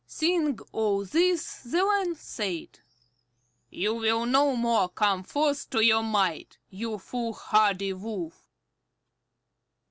Seeing all this, the Lion said, "You will no more come forth in your might, you foolhardy Wolf."